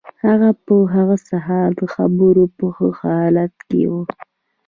هغه په هغه سهار د خبرو په ښه حالت کې و